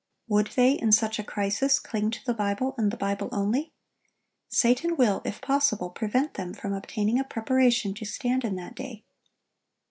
Would they, in such a crisis, cling to the Bible, and the Bible only? Satan will, if possible, prevent them from obtaining a preparation to stand in that day.